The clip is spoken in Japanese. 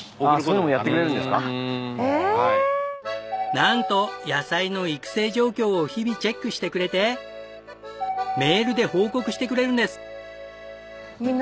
なんと野菜の育成状況を日々チェックしてくれてメールで報告してくれるんです。